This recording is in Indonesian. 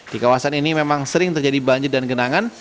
di kawasan ini memang sering terjadi banjir dan genangan